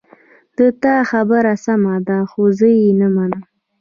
د تا خبره سمه ده خو زه یې نه منم